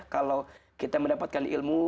kalau kita mendapatkan ilmu